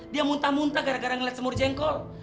dia muntah muntah gara gara ngeliat semur jengkol